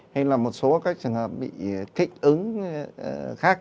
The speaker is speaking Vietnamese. hay là một số các trường hợp bị kích ứng khác